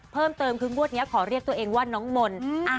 เพิ่มเติมคืองวดนี้ขอเรียกตัวเองว่าน้องมนต์